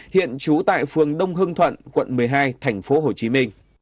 hiện trú tại phường đông hưng thuận quận một mươi hai tp hcm